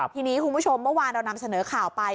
ทีนี้คุณผู้ชมเมื่อวานเรานำเสนอข่าวไป